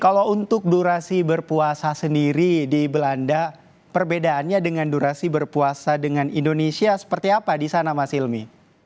kalau untuk durasi berpuasa sendiri di belanda perbedaannya dengan durasi berpuasa dengan indonesia seperti apa di sana mas hilmi